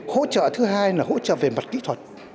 hỗ trợ thứ hai là hỗ trợ về mặt kỹ thuật